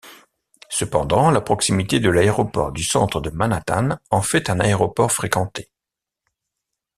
Cependant, la proximité de l'aéroport du centre de Manhattan en fait un aéroport fréquenté.